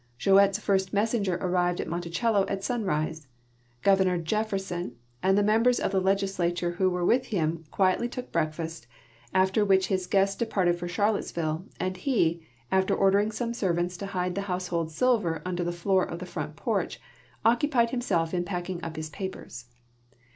Jouett's first messenger arrived at Monticello at sunrise. Governor Jefferson and the members of tlie legislature who were with him quietly took breakfast, after which his guests departed for Charlottesville, and he, after ordering some servants to hide the household silver under the floor of the front porch, occupied himself in packing up his l>apers.